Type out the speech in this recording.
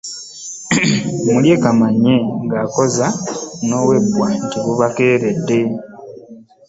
Mulye kamanye ng'akoza n'ow'ebbwa anti bubakeeredde.